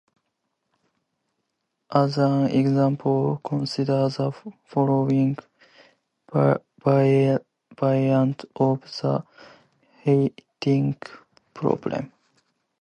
As an example, consider the following variant of the halting problem.